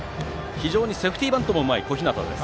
非常にセーフティーバントもうまい小日向です。